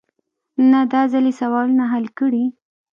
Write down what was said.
نه داځل يې سوالونه حل کړي.